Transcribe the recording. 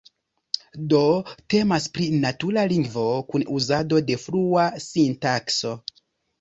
Do temas pri natura lingvo kun uzado de flua sintakso.